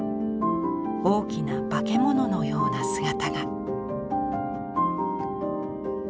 大きな化け物のような姿が。